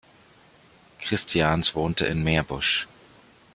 Christians wohnte in Meerbusch.